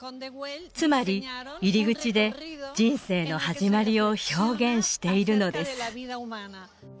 つまり入り口で人生の始まりを表現しているのです